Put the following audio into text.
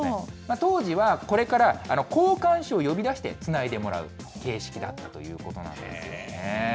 当時は、これから交換手を呼び出してつないでもらう形式だったということなんですね。